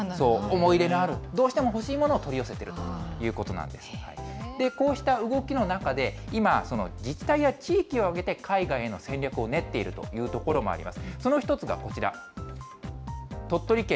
思い入れのある、どうしても欲しいものを取り寄せてこうした動きの中で、今、自治体や地域を挙げて、海外への戦略を練っているという所もあります。